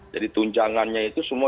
jadi tunjangannya itu semua